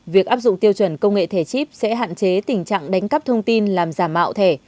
việc áp dụng tiêu chuẩn công nghệ thẻ chip sẽ hạn chế tình trạng đánh cắp thông tin làm giả mạo thẻ